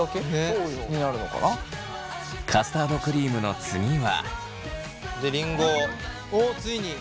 カスタードクリームの次は。